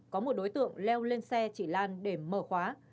có một đối tượng leo lên xe chỉ lan để mở khóa